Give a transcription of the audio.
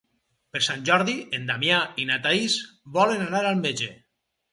Per Sant Jordi en Damià i na Thaís volen anar al metge.